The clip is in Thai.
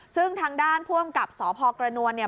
ซึ่งทางด้านผู้อำกับสพกระนวลเนี่ย